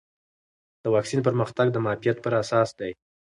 د واکسین پرمختګ د معافیت پر اساس دی.